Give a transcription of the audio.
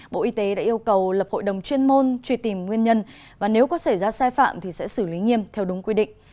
bộ y tế đã yêu cầu lập hội đồng chuyên môn truy tìm nguyên nhân và nếu có xảy ra sai phạm thì sẽ xử lý nghiêm theo đúng quy định